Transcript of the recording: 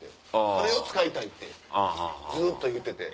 それを使いたいってずっと言うてて。